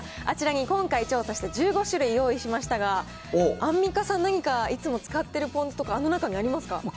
あちらに、今回調査した１５種類、用意しましたが、アンミカさん、何かいつも使っているポン酢とか、あの中にありますか？